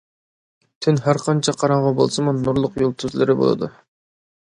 تۈن ھەرقانچە قاراڭغۇ بولسىمۇ نۇرلۇق يۇلتۇزلىرى بولىدۇ.